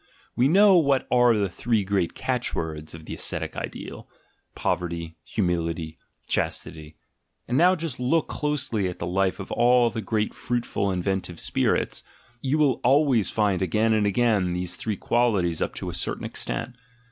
We know what are the three great catch words of the ascetic ideal: pov erty, humility, chastity; and now just look closely at the life of all the great fruitful inventive spirits — you will always find again and again these three qualities up to a certain extent.